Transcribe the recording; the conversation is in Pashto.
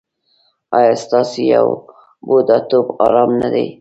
ایا ستاسو بوډاتوب ارام نه دی؟